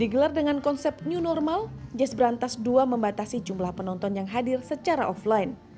digelar dengan konsep new normal jazz berantas dua membatasi jumlah penonton yang hadir secara offline